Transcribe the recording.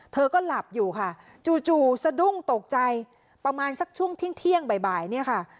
เธอก็หลับอยู่ค่ะจู่สะดุ้งตกใจประมาณสักช่วงเที่ยงบ่ายเนี่ยค่ะ